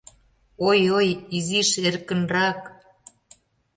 — Ой, ой, изиш эркынрак!